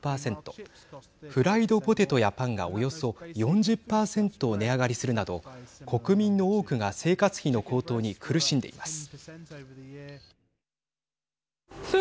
フライドポテトやパンがおよそ４０％値上がりするなど国民の多くが生活費の高騰に苦しんでいます。